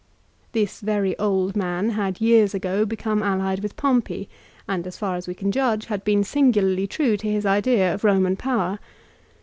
This very old man had years ago become allied with Pompey, and, as far as we can judge, been singularly true to his idea of Eoman power.